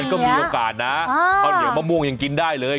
ก็มีโอกาสนะข้าวเหนียวมะม่วงยังกินได้เลย